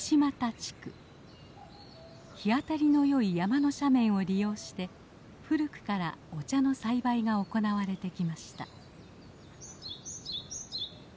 日当たりの良い山の斜面を利用して古くからお茶の栽培が行われてきました。